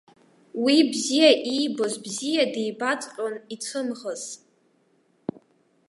Уи бзиа иибоз бзиа дибаҵәҟьон, ицәымӷыз.